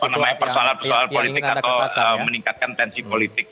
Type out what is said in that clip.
apa namanya persoalan persoalan politik atau meningkatkan tensi politik